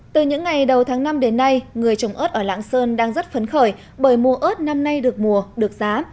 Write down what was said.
từ những ngày đầu tháng năm đến nay người trồng ớt ở lạng sơn đang rất phấn khởi bởi mùa ớt năm nay được mùa được giá